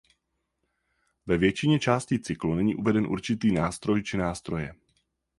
Ve většině částí cyklu není uveden určitý nástroj či nástroje.